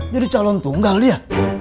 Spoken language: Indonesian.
jadi calon tunggal dia